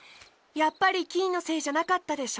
やっぱりキイのせいじゃなかったでしょ？